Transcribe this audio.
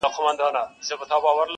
اشنا پوښتني ته مي راسه،